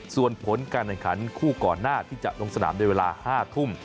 ส่วนผลการแข่งขันคู่ก่อนหน้าที่จะลงสนามในเวลา๕ทุ่ม